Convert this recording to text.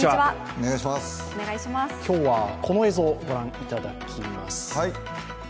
今日はこの映像をご覧いただきます。